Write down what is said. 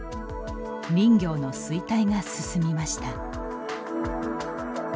林業の衰退が進みました。